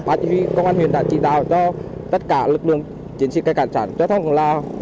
bác chí huy công an huyền tài chỉ tạo cho tất cả lực lượng chiến sĩ cải cản sản trái thông là